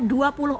ini di taman sari